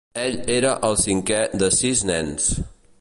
Ell era el cinquè de sis nens.